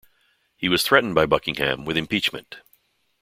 He was threatened by Buckingham with impeachment.